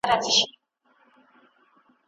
ښکلا هستي ده او هستي هله مانا مومي